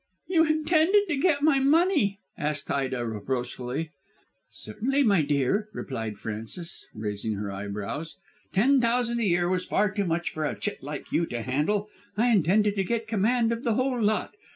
"You intended to get my money?" asked Ida reproachfully. "Certainly, my dear," replied Frances, raising her eyebrows. "Ten thousand a year was far too much for a chit like you to handle. I intended to get command of the whole lot.